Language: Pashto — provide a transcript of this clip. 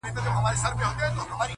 اوس به مي ستا پر کوڅه سمه جنازه تېرېږي٫